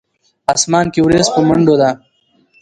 اسمان کښې وريځ پۀ منډو ده